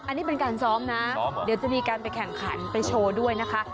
อันนี้เป็นการซ้อมนะเดี๋ยวจะมีการไปแข่งขันไปโชว์ด้วยนะคะ